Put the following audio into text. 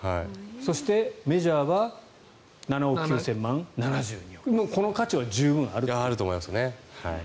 そしてメジャーは７億９０００万あると思いますね。